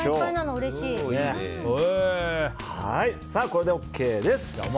これでＯＫです。